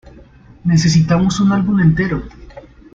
Necesitamos un álbum entero'.